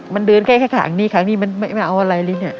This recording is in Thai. มันเดินแค่ขางนี้ขางนี้มันไม่เอาอะไรเลยเนี่ย